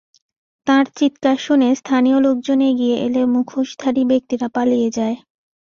তাঁর চিৎকার শুনে স্থানীয় লোকজন এগিয়ে এলে মুখোশধারী ব্যক্তিরা পালিয়ে যান।